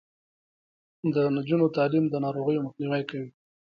د نجونو تعلیم د ناروغیو مخنیوی کوي.